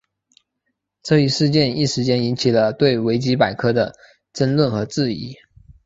这一事件一时间引起了对维基百科的争论和质疑。